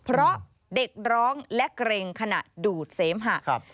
เพราะเด็กร้องและเกร็งขณะดูดเสมหะ